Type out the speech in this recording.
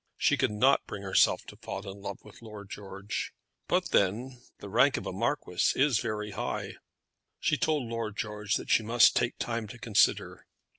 She could not bring herself to fall in love with Lord George. But then, the rank of a marquis is very high! She told Lord George that she must take time to consider.